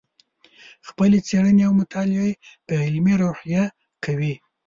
خپلې څېړنې او مطالعې په علمي روحیه کوې.